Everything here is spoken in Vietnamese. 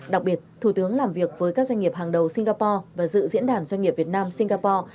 đặc biệt thủ tướng làm việc với các doanh nghiệp hàng đầu singapore và dự diễn đàn doanh nghiệp việt nam singapore